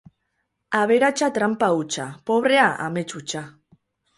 Aberatsa tranpa hutsa, pobrea amets hutsa.